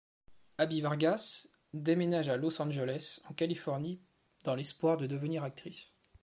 Abby Vargas déménage à Los Angeles en Californie dans l'espoir de devenir actrice.